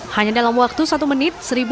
hanya dalam waktu satu menit